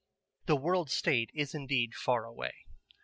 The World State is indeed far away.